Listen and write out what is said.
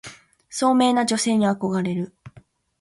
聡明な女性に憧れる